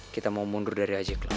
kita mau mundur dari aj club